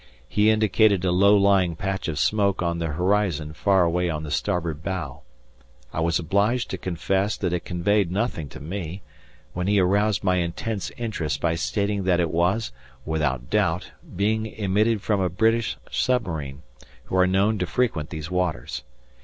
He indicated a low lying patch of smoke on the horizon far away on the starboard bow. I was obliged to confess that it conveyed nothing to me, when he aroused my intense interest by stating that it was, without doubt, being emitted from a British submarine, who are known to frequent these waters.